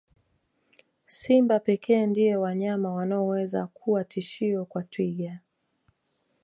Simba pekee ndio wanyama wanaoweza kuwa tishio kwa twiga